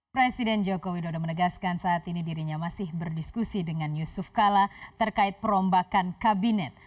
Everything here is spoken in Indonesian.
presiden joko widodo menegaskan saat ini dirinya masih berdiskusi dengan yusuf kala terkait perombakan kabinet